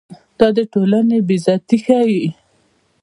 دا د ټولنې بې عزتي ښيي.